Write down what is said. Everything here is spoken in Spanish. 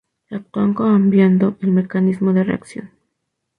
Actúan cambiando el mecanismo de reacción.